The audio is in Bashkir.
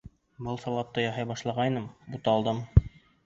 Балыҡ салаты яһай башлағайным, буталдым.